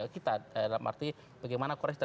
kita dalam arti bagaimana korespon